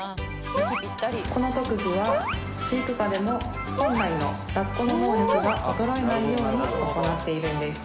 この特技は飼育下でも本来のラッコの能力が衰えないように行っているんです